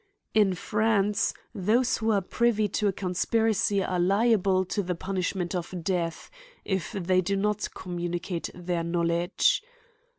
In France, those who are pri vy to a conspiracy are liable to the punishment of death, if the v do not communicate their know ledge.